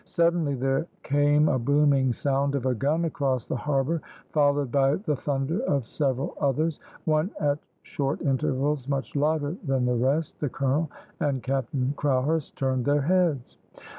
Suddenly there came a booming sound of a gun across the harbour followed by the thunder of several others, one at short intervals much louder than the rest. The colonel and Captain Crowhurst turned their heads.